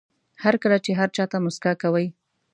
هر کله چې هر چا ته موسکا کوئ.